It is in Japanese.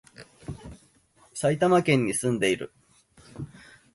埼玉県に住んでいる